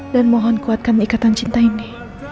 dan mohon kuatkan ikatan cinta ini